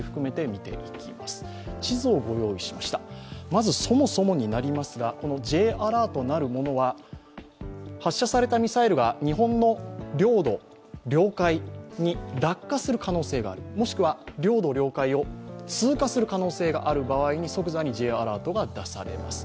まず、そもそもになりますがＪアラートなるものは発射されたミサイルが日本の領土、領海に落下する可能性があるもしくは領土、領海を通過する可能性がある場合に即座にＪアラートが出されます。